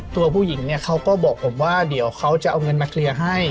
ตัวผู้หญิงเนี่ยเขาก็บอกผมว่าเดี๋ยวเขาจะเอาเงินมาเคลียร์ให้